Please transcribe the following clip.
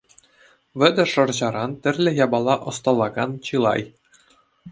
Вӗтӗ шӑрҫаран тӗрлӗ япала ӑсталакан чылай.